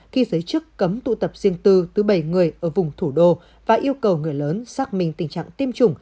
khi giới chức cấm tụ tập riêng tư thứ bảy người ở vùng thủ đô và yêu cầu người lớn xác minh tình trạng tiêm chủng